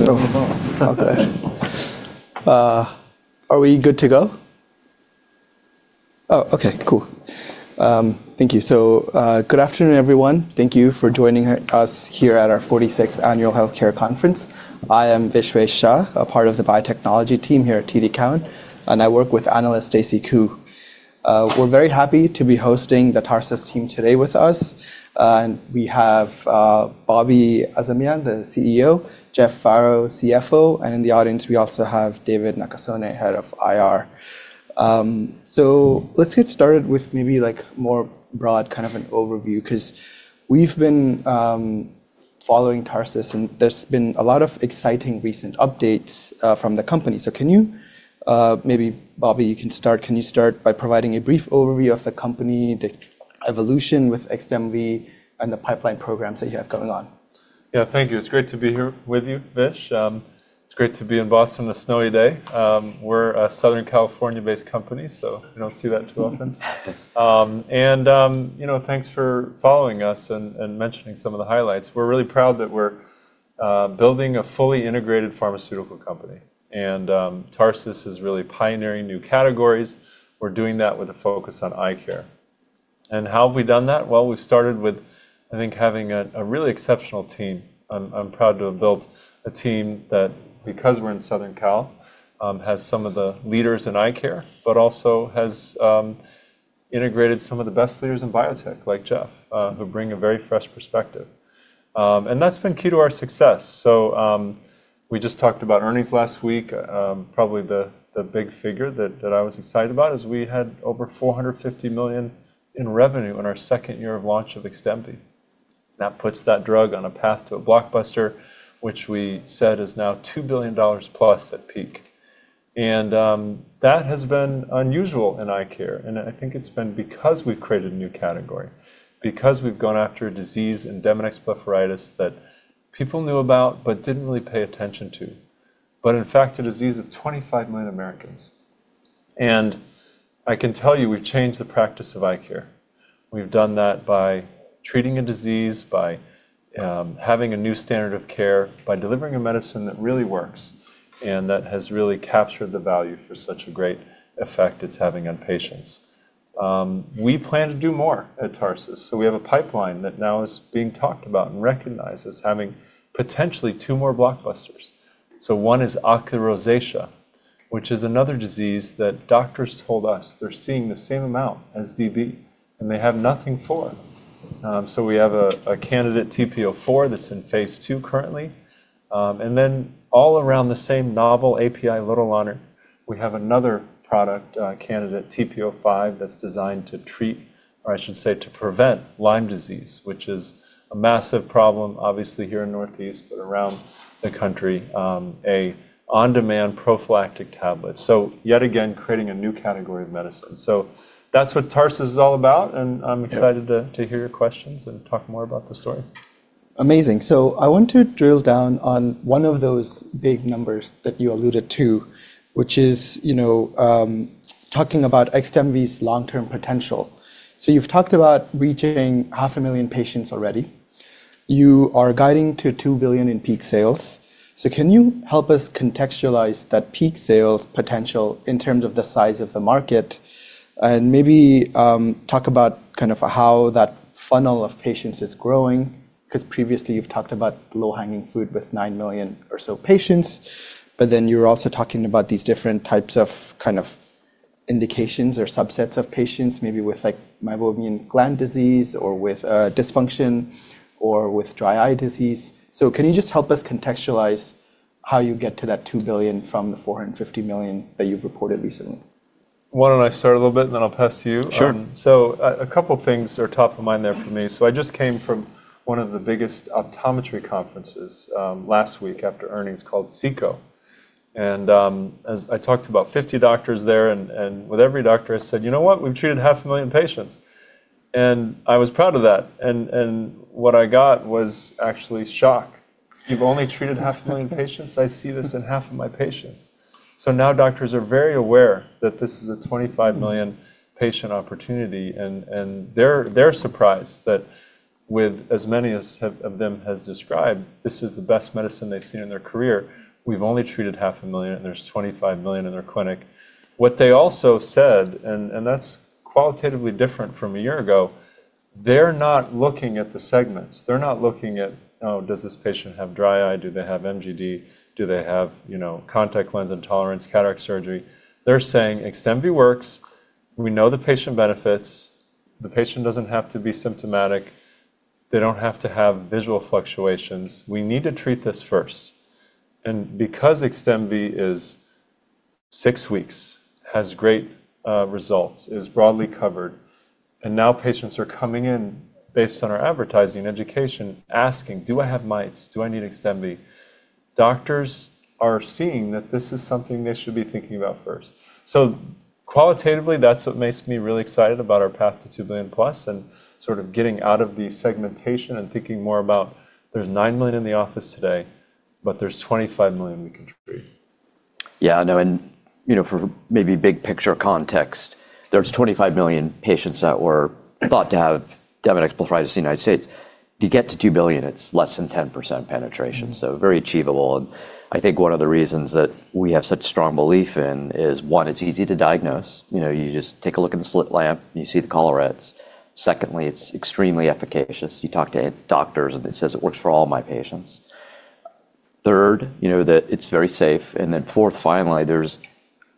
Oops. Okay. Are we good to go? Oh, okay, cool. Thank you. Good afternoon, everyone. Thank you for joining us here at our 46th Annual Healthcare Conference. I am Vishwesh Shah, a part of the biotechnology team here at TD Cowen, and I work with analyst Stacy Ku. We're very happy to be hosting the Tarsus team today with us. We have Bobak Azamian, the CEO, Jeff Farrow, CFO, and in the audience, we also have David Nakasone, Head of IR. Let's get started with maybe like more broad kind of an overview because we've been following Tarsus, there's been a lot of exciting recent updates from the company. Can you, maybe Bobby, you can start. Can you start by providing a brief overview of the company, the evolution with XDEMVY and the pipeline programs that you have going on? Yeah. Thank you. It's great to be here with you, Vish. It's great to be in Boston, a snowy day. We're a Southern California-based company, we don't see that too often. You know, thanks for following us and mentioning some of the highlights. We're really proud that we're building a fully integrated pharmaceutical company. Tarsus is really pioneering new categories. We're doing that with a focus on eye care. How have we done that? Well, we started with, I think, having a really exceptional team. I'm proud to have built a team that, because we're in Southern Cal, has some of the leaders in eye care, but also has integrated some of the best leaders in biotech, like Jeff, who bring a very fresh perspective. That's been key to our success. We just talked about earnings last week. Probably the big figure that I was excited about is we had over $450 million in revenue in our second year of launch of XDEMVY. That puts that drug on a path to a blockbuster, which we said is now $2 billion plus at peak. That has been unusual in eye care, and I think it's been because we've created a new category, because we've gone after a disease, Demodex blepharitis, that people knew about but didn't really pay attention to, but in fact, a disease of 25 million Americans. I can tell you, we've changed the practice of eye care. We've done that by treating a disease, by having a new standard of care, by delivering a medicine that really works and that has really captured the value for such a great effect it's having on patients. We plan to do more at Tarsus. We have a pipeline that now is being talked about and recognized as having potentially two more blockbusters. One is Ocular Rosacea, which is another disease that doctors told us they're seeing the same amount as DB, and they have nothing for. We have a candidate, TP-04, that's in phase 2 currently. All around the same novel API lidocaine, we have another product, candidate, TP-05, that's designed to treat, or I should say, to prevent Lyme disease, which is a massive problem, obviously here in Northeast, but around the country, a on-demand prophylactic tablet. Yet again, creating a new category of medicine. That's what Tarsus is all about, and I'm excited to hear your questions and talk more about the story. Amazing. I want to drill down on one of those big numbers that you alluded to, which is, you know, talking about XDEMVY's long-term potential. You've talked about reaching half a million patients already. You are guiding to $2 billion in peak sales. Can you help us contextualize that peak sales potential in terms of the size of the market, and maybe talk about kind of how that funnel of patients is growing? Because previously you've talked about low-hanging fruit with 9 million or so patients, but then you're also talking about these different types of kind of indications or subsets of patients, maybe with like Meibomian Gland Disease or with dysfunction or with dry eye disease. Can you just help us contextualize how you get to that $2 billion from the $450 million that you've reported recently? Why don't I start a little bit, and then I'll pass to you. Sure. A couple things are top of mind there for me. I just came from one of the biggest optometry conferences last week after earnings called SECO. As I talked to about 50 doctors there, with every doctor, I said, "You know what? We've treated half a million patients." I was proud of that. What I got was actually shock. "You've only treated half a million patients? I see this in half of my patients." Now doctors are very aware that this is a 25 million patient opportunity, they're surprised that with as many of them has described, this is the best medicine they've seen in their career. We've only treated half a million, and there's 25 million in their clinic. What they also said, and that's qualitatively different from a year ago, they're not looking at the segments. They're not looking at, oh, does this patient have dry eye? Do they have MGD? Do they have, you know, contact lens intolerance, cataract surgery? They're saying XDEMVY works. We know the patient benefits. The patient doesn't have to be symptomatic. They don't have to have visual fluctuations. We need to treat this first. Because XDEMVY is 6 weeks, has great results, is broadly covered, and now patients are coming in based on our advertising, education, asking, "Do I have mites? Do I need XDEMVY?" Doctors are seeing that this is something they should be thinking about first. Qualitatively, that's what makes me really excited about our path to $2 billion+ and sort of getting out of the segmentation and thinking more about, there's $9 million in the office today, but there's $25 million we can treat. Yeah, no, you know, for maybe big picture context, there's 25 million patients that were thought to have demodicosis in the United States. To get to $2 billion, it's less than 10% penetration, very achievable. I think one of the reasons that we have such strong belief in is, one, it's easy to diagnose. You know, you just take a look in the slit lamp, and you see the collarettes. Secondly, it's extremely efficacious. You talk to any doctors it says it works for all my patients. Third, you know, that it's very safe. Fourth, finally, there's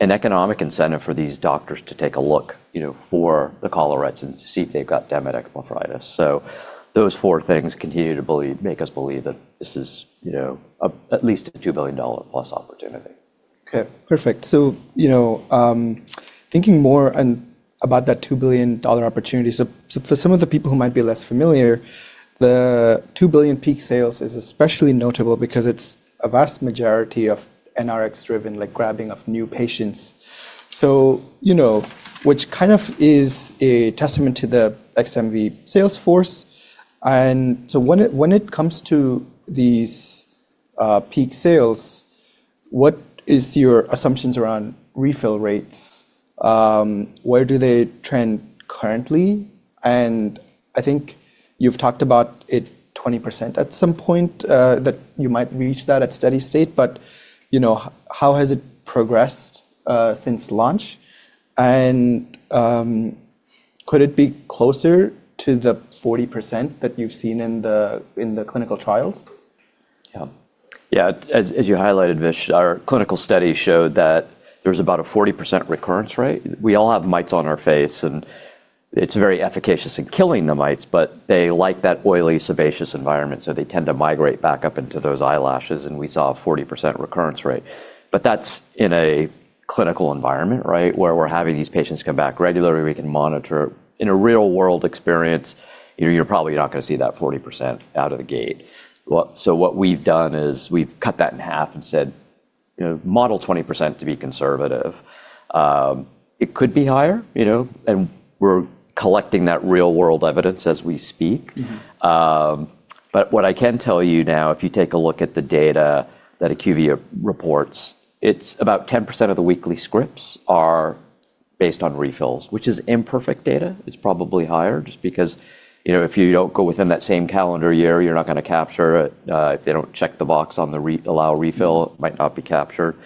an economic incentive for these doctors to take a look, you know, for the collarettes and see if they've got demodicosis. Those four things continue to make us believe that this is, you know, at least a $2 billion-plus opportunity. Okay. Perfect. You know, thinking more and about that $2 billion opportunity, so for some of the people who might be less familiar, the $2 billion peak sales is especially notable because it's a vast majority of NRX driven, like grabbing of new patients. You know, which kind of is a testament to the XDEMVY sales force. When it comes to these peak sales, what is your assumptions around refill rates? Where do they trend currently? I think you've talked about it 20% at some point that you might reach that at steady state. You know, how has it progressed since launch? Could it be closer to the 40% that you've seen in the, in the clinical trials? Yeah. As you highlighted, Vish, our clinical study showed that there's about a 40% recurrence rate. We all have mites on our face, and it's very efficacious in killing the mites, but they like that oily sebaceous environment, so they tend to migrate back up into those eyelashes, and we saw a 40% recurrence rate. That's in a clinical environment, right? Where we're having these patients come back regularly, we can monitor. In a real-world experience, you know, you're probably not gonna see that 40% out of the gate. What we've done is we've cut that in half and said, you know, model 20% to be conservative. It could be higher, you know, and we're collecting that real-world evidence as we speak. Mm-hmm. What I can tell you now, if you take a look at the data that IQVIA reports, it's about 10% of the weekly scripts are based on refills, which is imperfect data. It's probably higher just because, you know, if you don't go within that same calendar year, you're not gonna capture it. If they don't check the box on the allow refill, it might not be captured.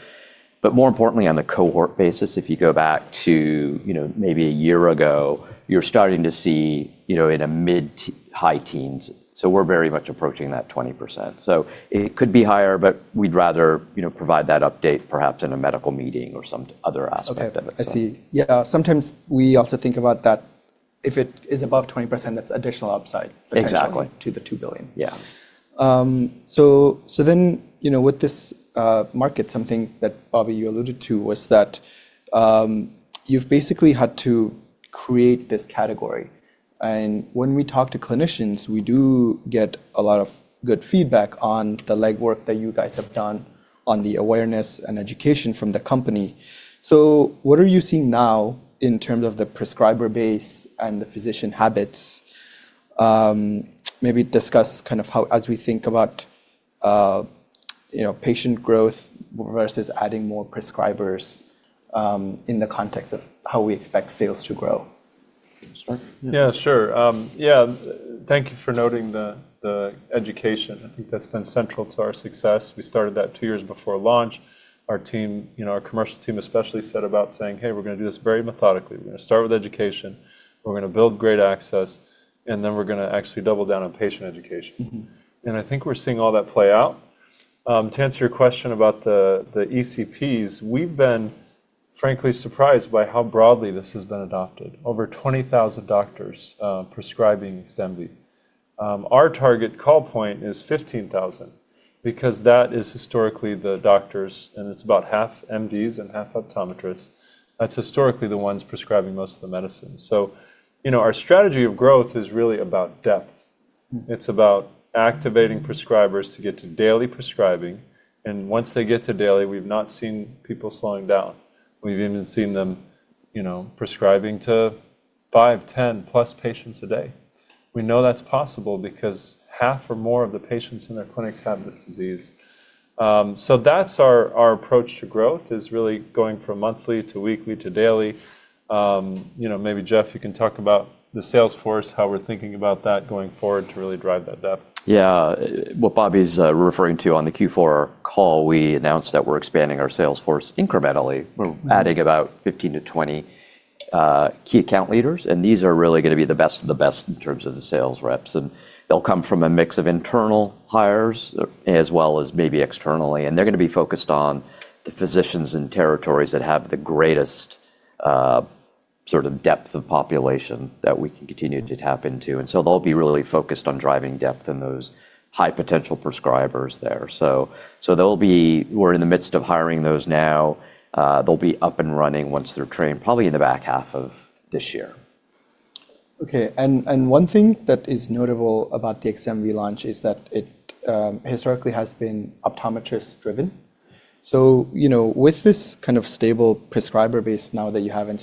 More importantly, on the cohort basis, if you go back to, you know, maybe a year ago, you're starting to see, you know, in a mid- to high teens. We're very much approaching that 20%. It could be higher, but we'd rather, you know, provide that update perhaps in a medical meeting or some other aspect of it. Okay. I see. Yeah. Sometimes we also think about that if it is above 20%, that's additional upside. Exactly... potentially to the $2 billion. Yeah. You know, with this market, something that, Bobby, you alluded to was that you've basically had to create this category. When we talk to clinicians, we do get a lot of good feedback on the legwork that you guys have done on the awareness and education from the company. What are you seeing now in terms of the prescriber base and the physician habits? Maybe discuss kind of how as we think about, you know, patient growth versus adding more prescribers in the context of how we expect sales to grow. Sure. Yeah, sure. Yeah. Thank you for noting the education. I think that's been central to our success. We started that two years before launch. Our team, you know, our commercial team especially set about saying, "Hey, we're gonna do this very methodically. We're gonna start with education. We're gonna build great access, and then we're gonna actually double down on patient education. Mm-hmm. I think we're seeing all that play out. To answer your question about the ECPs, we've been frankly surprised by how broadly this has been adopted. Over 20,000 doctors prescribing XDEMVY. Our target call point is 15,000 because that is historically the doctors, and it's about half MDs and half optometrists. That's historically the ones prescribing most of the medicine. You know, our strategy of growth is really about depth. Mm-hmm. It's about activating prescribers to get to daily prescribing. Once they get to daily, we've not seen people slowing down. We've even seen them, you know, prescribing to 5, 10+ patients a day. We know that's possible because half or more of the patients in their clinics have this disease. That's our approach to growth, is really going from monthly to weekly to daily. You know, maybe, Jeff, you can talk about the sales force, how we're thinking about that going forward to really drive that depth. Yeah. What Bobby's referring to on the Q4 call, we announced that we're expanding our sales force incrementally. We're adding about 15 to 20 key account leaders, these are really gonna be the best of the best in terms of the sales reps. They'll come from a mix of internal hires as well as maybe externally, and they're gonna be focused on the physicians and territories that have the greatest sort of depth of population that we can continue to tap into. They'll be really focused on driving depth in those high potential prescribers there. We're in the midst of hiring those now. They'll be up and running once they're trained, probably in the back half of this year. Okay. One thing that is notable about the XDEMVY launch is that it historically has been optometrist-driven. You know, with this kind of stable prescriber base now that you have in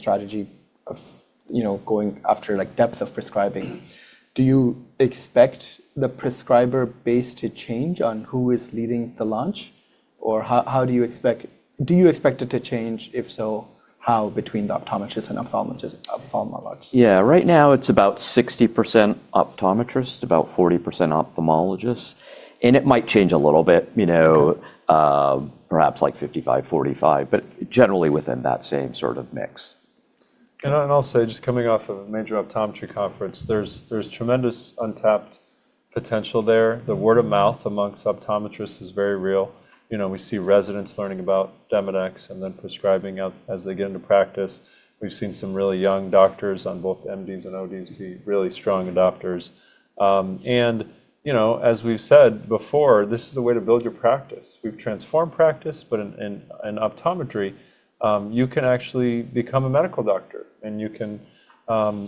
strategyOf, you know, going after, like, depth of prescribing. Do you expect the prescriber base to change on who is leading the launch? Or do you expect it to change? If so, how between the optometrists and ophthalmologists? Yeah. Right now it's about 60% optometrists, about 40% ophthalmologists, and it might change a little bit, you know, perhaps like 55%, 45%, but generally within that same sort of mix. I'll say, just coming off of a major optometry conference, there's tremendous untapped potential there. The word of mouth amongst optometrists is very real. You know, we see residents learning about Demodex and then prescribing out as they get into practice. We've seen some really young doctors on both MDs and ODs be really strong adopters. You know, as we've said before, this is a way to build your practice. We've transformed practice, in optometry, you can actually become a medical doctor, and you can,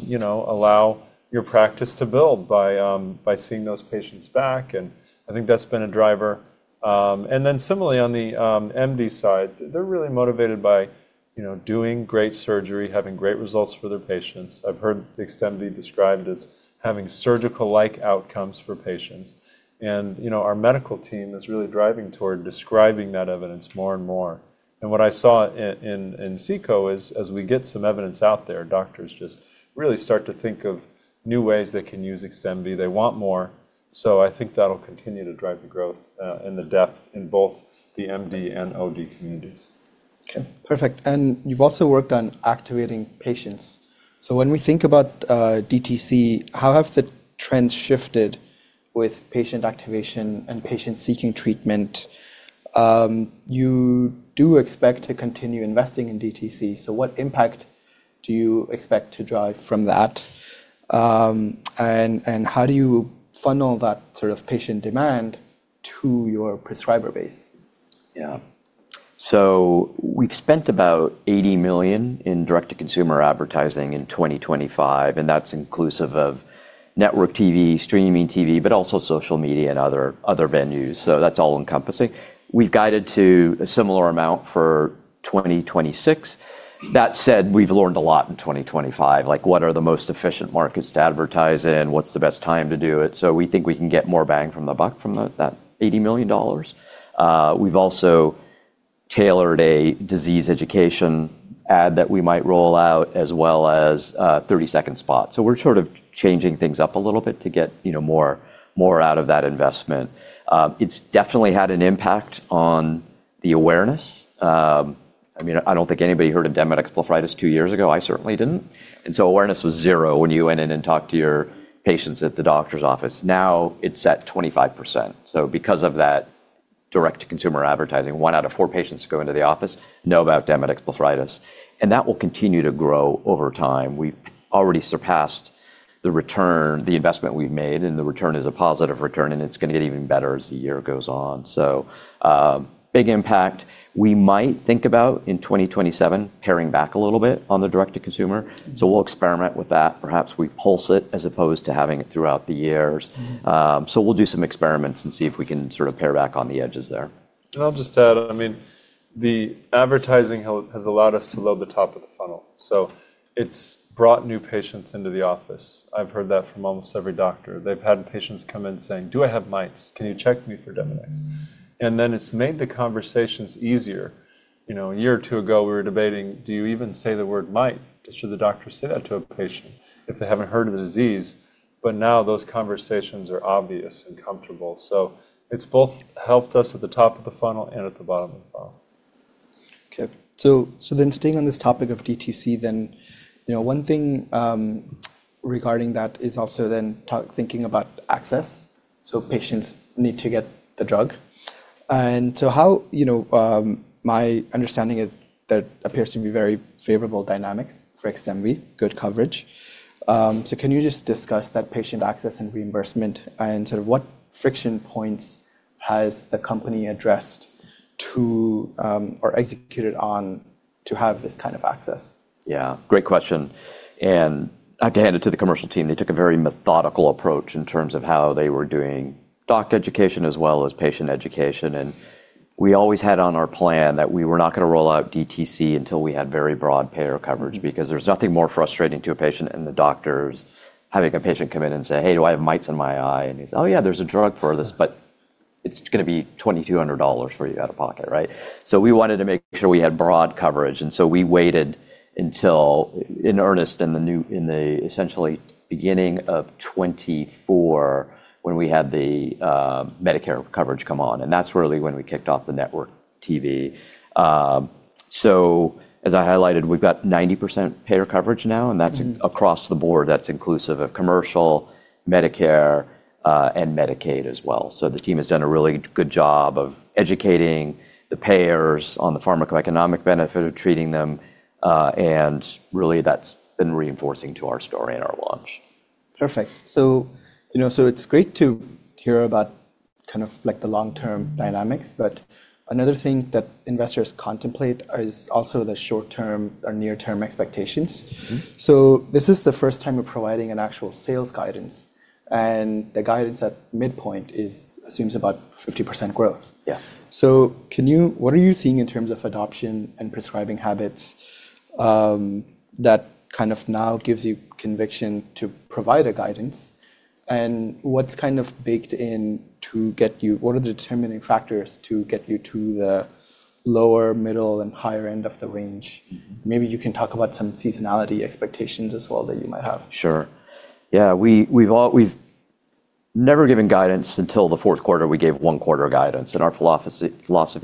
you know, allow your practice to build by seeing those patients back, and I think that's been a driver. Similarly on the MD side, they're really motivated by, you know, doing great surgery, having great results for their patients. I've heard XDEMVY described as having surgical-like outcomes for patients. You know, our medical team is really driving toward describing that evidence more and more. What I saw in, in Sicca is, as we get some evidence out there, doctors just really start to think of new ways they can use XDEMVY. They want more. I think that'll continue to drive the growth and the depth in both the MD and OD communities. Okay. Perfect. You've also worked on activating patients. When we think about DTC, how have the trends shifted with patient activation and patient seeking treatment? You do expect to continue investing in DTC, so what impact do you expect to drive from that? How do you funnel that sort of patient demand to your prescriber base? We've spent about $80 million in direct-to-consumer advertising in 2025, and that's inclusive of network TV, streaming TV, but also social media and other venues. That's all-encompassing. We've guided to a similar amount for 2026. That said, we've learned a lot in 2025, like what are the most efficient markets to advertise in, what's the best time to do it. We think we can get more bang from the buck from that $80 million. We've also tailored a disease education ad that we might roll out as well as a 30-second spot. We're sort of changing things up a little bit to get, you know, more out of that investment. It's definitely had an impact on the awareness. I mean, I don't think anybody heard of Demodex blepharitis two years ago. I certainly didn't. Awareness was 0 when you went in and talked to your patients at the doctor's office. Now it's at 25%. Because of that direct-to-consumer advertising, 1 out of 4 patients who go into the office know about Demodex blepharitis, and that will continue to grow over time. We've already surpassed the return, the investment we've made, and the return is a positive return, and it's gonna get even better as the year goes on. Big impact. We might think about, in 2027, paring back a little bit on the direct to consumer. We'll experiment with that. Perhaps we pulse it as opposed to having it throughout the years. We'll do some experiments and see if we can sort of pare back on the edges there. I'll just add, I mean, the advertising has allowed us to load the top of the funnel. It's brought new patients into the office. I've heard that from almost every doctor. They've had patients come in saying, "Do I have mites? Can you check me for Demodex?" It's made the conversations easier. You know, a year or 2 ago we were debating, do you even say the word mite? Should the doctor say that to a patient if they haven't heard of the disease? Now those conversations are obvious and comfortable. It's both helped us at the top of the funnel and at the bottom of the funnel. Okay. Staying on this topic of DTC then, you know, one thing regarding that is also then thinking about access. Patients need to get the drug. How... You know, my understanding is that appears to be very favorable dynamics for XDEMVY, good coverage. Can you just discuss that patient access and reimbursement and sort of what friction points has the company addressed to, or executed on to have this kind of access? Yeah. Great question. I have to hand it to the commercial team. They took a very methodical approach in terms of how they were doing doctor education as well as patient education. We always had on our plan that we were not gonna roll out DTC until we had very broad payer coverage because there's nothing more frustrating to a patient and the doctors having a patient come in and say, "Hey, do I have mites in my eye?" He's, "Oh yeah, there's a drug for this, but it's gonna be $2,200 for you out of pocket," right? We wanted to make sure we had broad coverage, and so we waited until, in earnest, in the essentially beginning of 2024 when we had the Medicare coverage come on, and that's really when we kicked off the network TV. As I highlighted, we've got 90% payer coverage now, and that's across the board. That's inclusive of commercial, Medicare, and Medicaid as well. The team has done a really good job of educating the payers on the pharmacoeconomic benefit of treating them, and really that's been reinforcing to our story and our launch. Perfect. You know, so it's great to hear about kind of like the long-term dynamics, but another thing that investors contemplate is also the short-term or near-term expectations. Mm-hmm. This is the first time we're providing an actual sales guidance. The guidance at midpoint is assumes about 50% growth. Yeah. What are you seeing in terms of adoption and prescribing habits that kind of now gives you conviction to provide a guidance? What are the determining factors to get you to the lower, middle, and higher end of the range? Maybe you can talk about some seasonality expectations as well that you might have. Sure. Yeah. We've never given guidance until the fourth quarter. We gave one quarter guidance, Our philosophy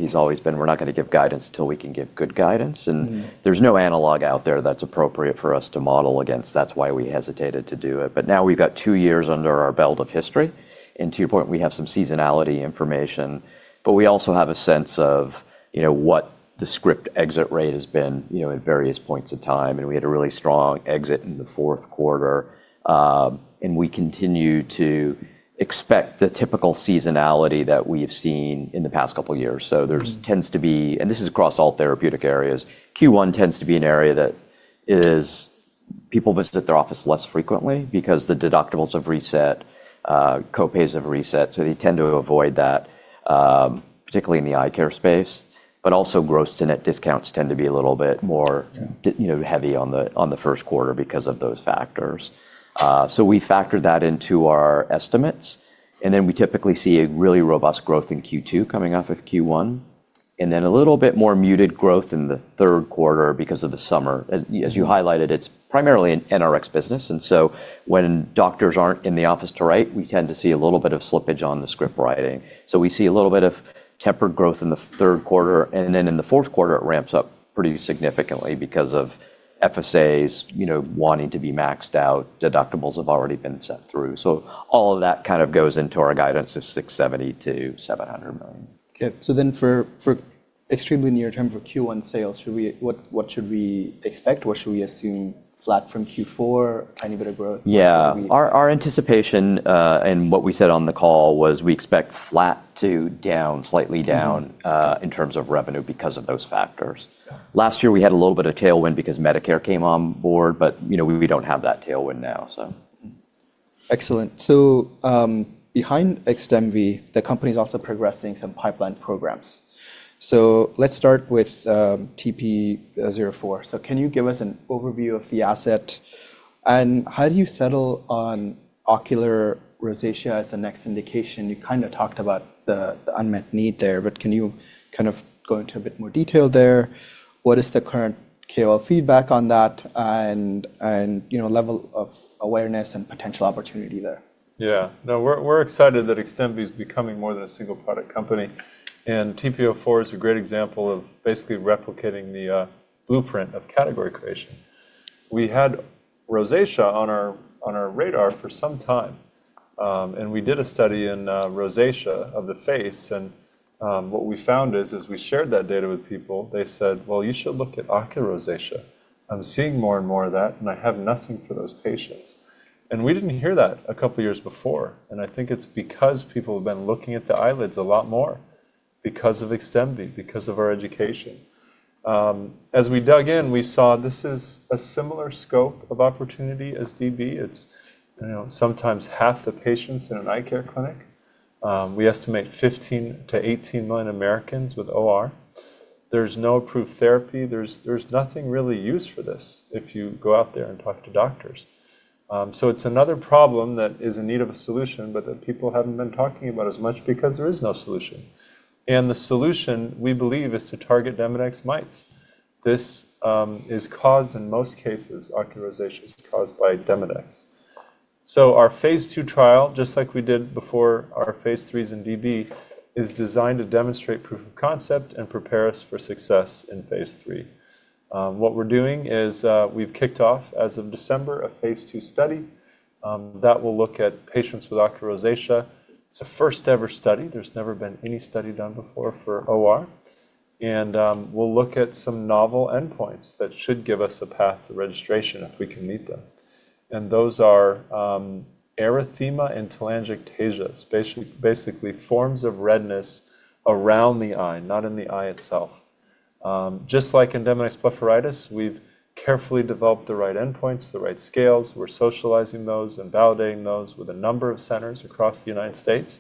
has always been, we're not gonna give guidance till we can give good guidance. Mm-hmm. There's no analog out there that's appropriate for us to model against. That's why we hesitated to do it. Now we've got two years under our belt of history, and to your point, we have some seasonality information, but we also have a sense of, you know, what the script exit rate has been, you know, at various points in time. We had a really strong exit in the fourth quarter. We continue to expect the typical seasonality that we have seen in the past couple of years. There tends to be, and this is across all therapeutic areas, Q1 tends to be an area that is people visit their office less frequently because the deductibles have reset, co-pays have reset, so they tend to avoid that, particularly in the eye care space. Also gross to net discounts tend to be a little bit more. Yeah. you know, heavy on the, on the first quarter because of those factors. We factor that into our estimates, then we typically see a really robust growth in Q2 coming off of Q1, then a little bit more muted growth in the third quarter because of the summer. As you highlighted, it's primarily an NRX business, when doctors aren't in the office to write, we tend to see a little bit of slippage on the script writing. We see a little bit of tempered growth in the third quarter, then in the fourth quarter it ramps up pretty significantly because of FSAs, you know, wanting to be maxed out. Deductibles have already been sent through. All of that kind of goes into our guidance of $670 million-$700 million. Okay. For extremely near-term for Q1 sales, what should we expect? What should we assume, flat from Q4? Tiny bit of growth? Yeah. Our anticipation, and what we said on the call was we expect flat to down, slightly down. Mm-hmm. In terms of revenue because of those factors. Yeah. Last year we had a little bit of tailwind because Medicare came on board, but you know, we don't have that tailwind now, so. Excellent. Behind XDEMVY, the company's also progressing some pipeline programs. Let's start with TP-04. Can you give us an overview of the asset, and how do you settle on Ocular Rosacea as the next indication? You kinda talked about the unmet need there, but can you kind of go into a bit more detail there? What is the current KOL feedback on that and you know, level of awareness and potential opportunity there? Yeah. No, we're excited that XDEMVY is becoming more than a single product company. TP-04 is a great example of basically replicating the blueprint of category creation. We had rosacea on our radar for some time, and we did a study in rosacea of the face, and what we found is, as we shared that data with people, they said, "Well, you should look at Ocular Rosacea. I'm seeing more and more of that, and I have nothing for those patients." We didn't hear that a couple of years before, and I think it's because people have been looking at the eyelids a lot more because of XDEMVY, because of our education. As we dug in, we saw this is a similar scope of opportunity as DB. It's, you know, sometimes half the patients in an eye care clinic. We estimate 15 million-18 million Americans with OR. There's no approved therapy. There's nothing really used for this if you go out there and talk to doctors. It's another problem that is in need of a solution, but that people haven't been talking about as much because there is no solution. The solution we believe is to target Demodex mites. This is caused, in most cases, Ocular Rosacea is caused by Demodex. Our Phase II trial, just like we did before our Phase threes in DB, is designed to demonstrate proof of concept and prepare us for success in Phase III. What we're doing is we've kicked off as of December a Phase II study that will look at patients with Ocular Rosacea. It's a first ever study. There's never been any study done before for OR. We'll look at some novel endpoints that should give us a path to registration if we can meet them. Those are erythema and telangiectasia. It's basically forms of redness around the eye, not in the eye itself. Just like in Demodex blepharitis, we've carefully developed the right endpoints, the right scales. We're socializing those and validating those with a number of centers across the United States.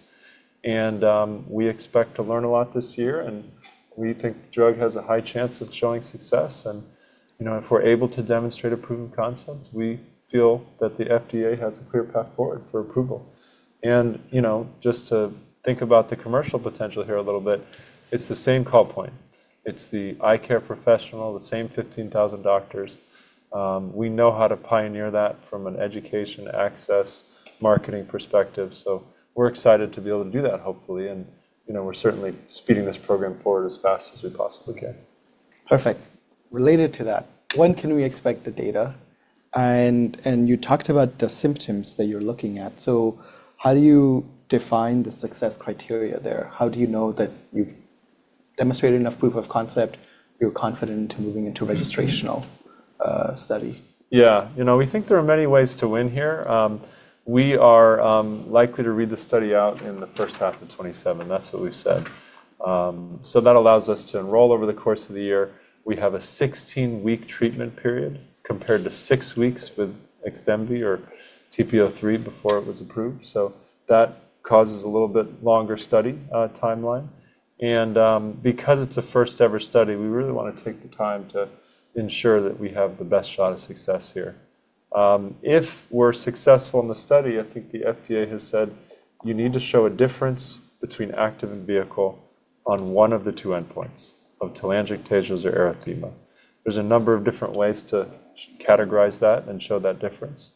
We expect to learn a lot this year, and we think the drug has a high chance of showing success. You know, if we're able to demonstrate a proven concept, we feel that the FDA has a clear path forward for approval. You know, just to think about the commercial potential here a little bit, it's the same call point. It's the eye care professional, the same 15,000 doctors. We know how to pioneer that from an education, access, marketing perspective. We're excited to be able to do that hopefully. You know, we're certainly speeding this program forward as fast as we possibly can. Perfect. Related to that, when can we expect the data? You talked about the symptoms that you're looking at. How do you define the success criteria there? How do you know that you've demonstrated enough proof of concept, you're confident moving into registrational study? Yeah. You know, we think there are many ways to win here. We are likely to read the study out in the first half of 2027. That's what we've said. That allows us to enroll over the course of the year. We have a 16-week treatment period compared to 6 weeks with XTANDI or TP-03 before it was approved. That causes a little bit longer study timeline. Because it's a first-ever study, we really wanna take the time to ensure that we have the best shot of success here. If we're successful in the study, I think the FDA has said you need to show a difference between active and vehicle on one of the two endpoints, of telangiectasias or erythema. There's a number of different ways to categorize that and show that difference.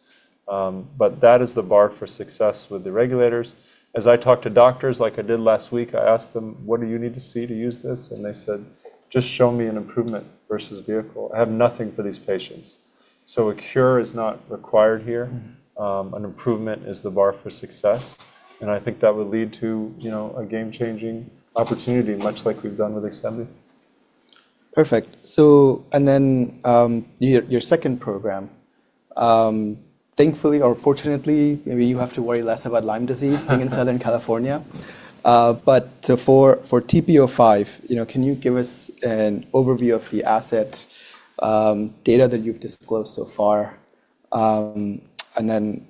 That is the bar for success with the regulators. As I talk to doctors like I did last week, I asked them, "What do you need to see to use this?" They said, "Just show me an improvement versus vehicle. I have nothing for these patients." A cure is not required here. Mm-hmm. An improvement is the bar for success, and I think that would lead to, you know, a game-changing opportunity, much like we've done with XDEMVY. Perfect. Your second program. Thankfully or fortunately, maybe you have to worry less about Lyme disease being in Southern California. For TP-05, you know, can you give us an overview of the asset, data that you've disclosed so far, and then,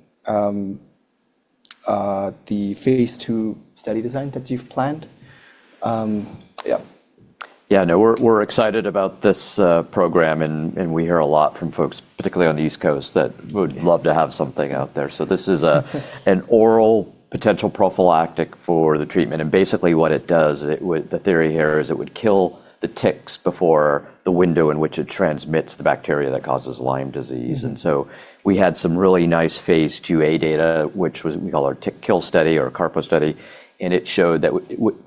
the Phase II study design that you've planned? Yep. Yeah, no, we're excited about this program, and we hear a lot from folks, particularly on the East Coast, that would love to have something out there. This is an oral potential prophylactic for the treatment. Basically what it does the theory here is it would kill the ticks before the window in which it transmits the bacteria that causes Lyme disease. We had some really nice Phase IIa data, which was we call our tick kill study or Carpo trial, and it showed that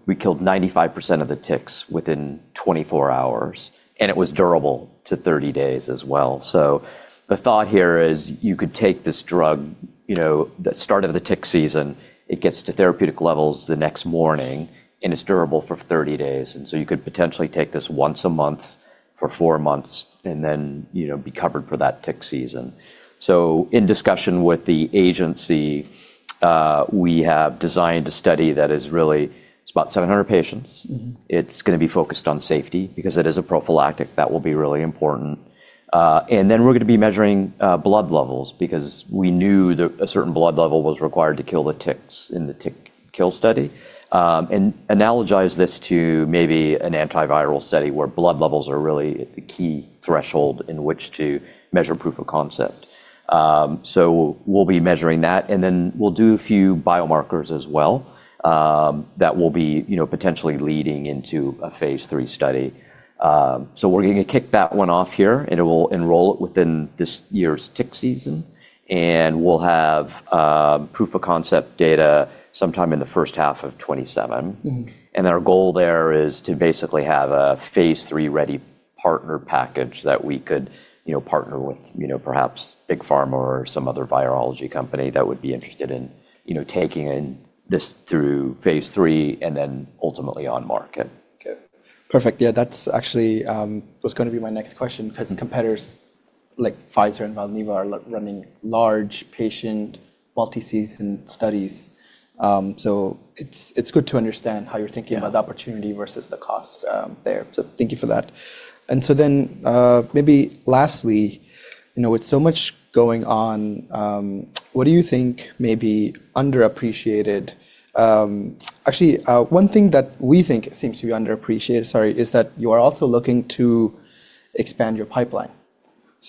we killed 95% of the ticks within 24 hours, and it was durable to 30 days as well. The thought here is you could take this drug, you know, the start of the tick season, it gets to therapeutic levels the next morning, and it's durable for 30 days. You could potentially take this once a month for four months and then, you know, be covered for that tick season. In discussion with the agency, we have designed a study. It's about 700 patients. Mm-hmm. It's gonna be focused on safety because it is a prophylactic. That will be really important. Then we're gonna be measuring blood levels because we knew that a certain blood level was required to kill the ticks in the tick kill study. Analogize this to maybe an antiviral study where blood levels are really the key threshold in which to measure proof of concept. So we'll be measuring that, and then we'll do a few biomarkers as well, that will be, you know, potentially leading into a phase III study. So we're gonna kick that one off here, and it will enroll within this year's tick season. We'll have proof of concept data sometime in the first half of 2027. Mm-hmm. Our goal there is to basically have a phase III ready partner package that we could, you know, partner with, you know, perhaps big pharma or some other virology company that would be interested in, you know, taking this through phase III and then ultimately on market. Okay. Perfect. Yeah, that's actually, was gonna be my next question 'cause competitors like Pfizer and Valneva are running large patient multi-season studies. It's, it's good to understand how you're thinking about the opportunity versus the cost there. Thank you for that. Then, maybe lastly, you know, with so much going on, what do you think may be underappreciated. Actually, one thing that we think seems to be underappreciated, sorry, is that you are also looking to expand your pipeline.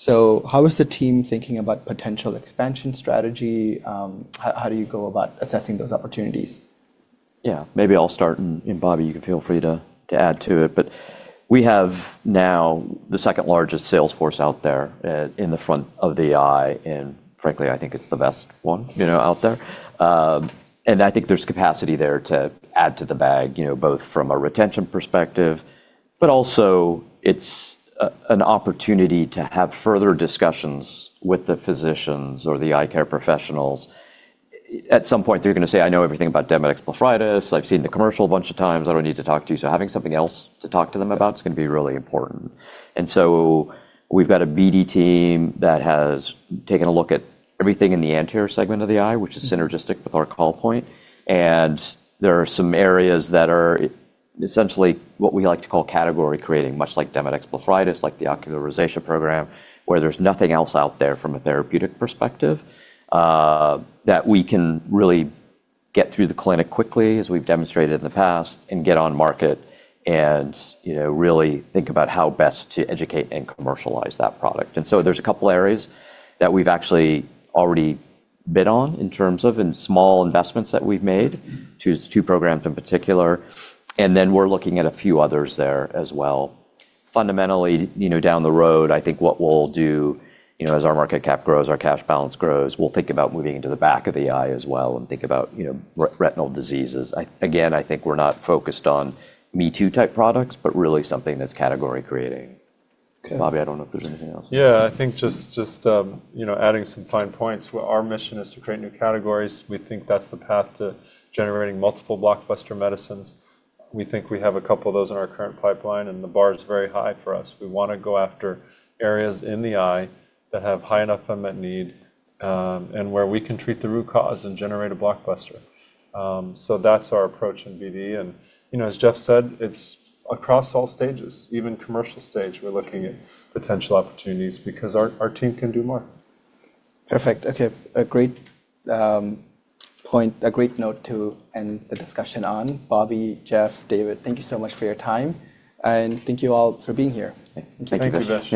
How is the team thinking about potential expansion strategy? How do you go about assessing those opportunities? Yeah. Maybe I'll start and Bobby, you can feel free to add to it. We have now the second-largest sales force out there in the front of the eye, and frankly, I think it's the best one, you know, out there. I think there's capacity there to add to the bag, you know, both from a retention perspective, but also it's an opportunity to have further discussions with the physicians or the Eye Care Professionals. At some point, they're gonna say, "I know everything about demodicosis. I've seen the commercial a bunch of times. I don't need to talk to you." Having something else to talk to them about is gonna be really important. We've got a BD team that has taken a look at everything in the anterior segment of the eye, which is synergistic with our call point. There are some areas that are essentially what we like to call category creating, much like demodicosis, like the Ocular Rosacea program, where there's nothing else out there from a therapeutic perspective, that we can really get through the clinic quickly, as we've demonstrated in the past, and get on market and, you know, really think about how best to educate and commercialize that product. There's a couple areas that we've actually already bid on in terms of, and small investments that we've made. Mm-hmm. Two, it's two programs in particular. We're looking at a few others there as well. Fundamentally, you know, down the road, I think what we'll do, you know, as our market cap grows, our cash balance grows, we'll think about moving into the back of the eye as well and think about, you know, retinal diseases. I, again, I think we're not focused on me-too type products, but really something that's category creating. Okay. Bobby, I don't know if there's anything else. Yeah. I think just, you know, adding some fine points. Our mission is to create new categories. We think that's the path to generating multiple blockbuster medicines. We think we have a couple of those in our current pipeline, and the bar is very high for us. We wanna go after areas in the eye that have high enough unmet need, and where we can treat the root cause and generate a blockbuster. That's our approach in BD. You know, as Jeff said, it's across all stages. Even commercial stage, we're looking at potential opportunities because our team can do more. Perfect. Okay. A great point, a great note to end the discussion on. Bobby, Jeff, David, thank you so much for your time. Thank you all for being here. Thank you. Thank you, Vish.